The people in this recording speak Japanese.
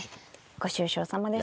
ご愁傷さまです。